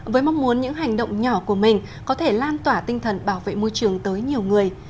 với mong muốn những hành động nhỏ của mình có thể lan tỏa tinh thần bảo vệ môi trường tới nhiều người